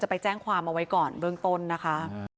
ไปแจ้งความเอาไว้ก่อนเบื้องต้นนะคะ